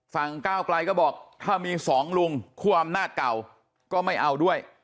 ก้าวไกลก็บอกถ้ามีสองลุงคั่วอำนาจเก่าก็ไม่เอาด้วย